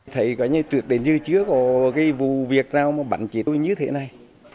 thấy có như trước đến như trước cái vụ việc nào mà bắn chiến sĩ như thế này